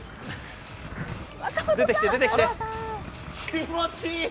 気持ちいい。